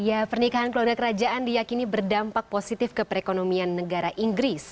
ya pernikahan keluarga kerajaan diyakini berdampak positif ke perekonomian negara inggris